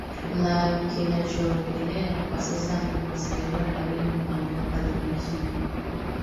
la kinachoendelea kwa sasa ni mawasiliano ya karibu na mamlaka za nchi hiyo